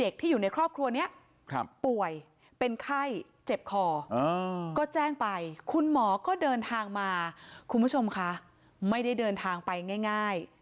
ก็เดินทางมาคุณผู้ชมค่ะไม่ได้เดินทางไปง่าย